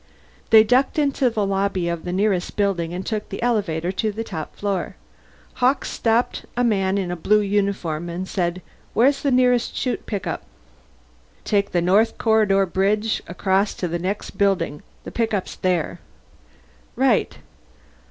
They ducked into the lobby of the nearest building and took the elevator to the top floor. Hawkes stopped a man in a blue uniform and said, "Where's the nearest Shoot pickup?" "Take the North Corridor bridge across to the next building. The pickup's there." "Right."